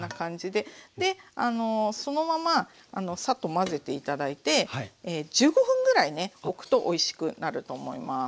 でそのままサッと混ぜて頂いて１５分ぐらいねおくとおいしくなると思います。